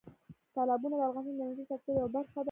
تالابونه د افغانستان د انرژۍ سکتور یوه برخه ده.